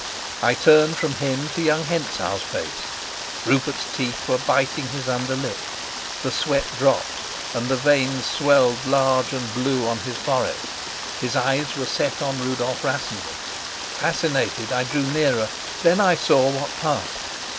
I turned from him to young Hentzau's face. Rupert's teeth were biting his under lip, the sweat dropped, and the veins swelled large and blue on his forehead; his eyes were set on Rudolf Rassendyll. Fascinated, I drew nearer. Then I saw what passed.